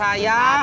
katanya aku gitu